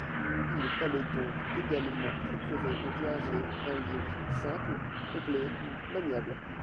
Il fallait donc également procurer au clergé un livre simple, complet, maniable.